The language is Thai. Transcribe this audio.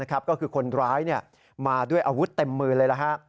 ก็คือคนร้ายมาด้วยอาวุธเต็มมือเลย